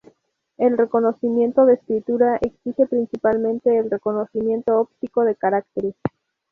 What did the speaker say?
El reconocimiento de escritura exige principalmente el reconocimiento óptico de caracteres.